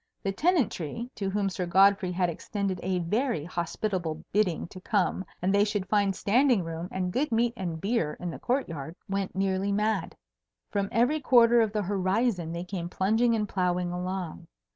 The Tenantry (to whom Sir Godfrey had extended a very hospitable bidding to come and they should find standing room and good meat and beer in the court yard) went nearly mad. From every quarter of the horizon they came plunging and ploughing along.